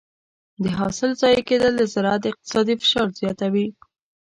د حاصل ضایع کېدل د زراعت اقتصادي فشار زیاتوي.